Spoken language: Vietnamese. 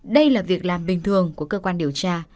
đây là việc làm bình thường của cơ quan điều tra